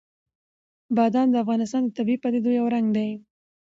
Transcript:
بادام د افغانستان د طبیعي پدیدو یو رنګ دی.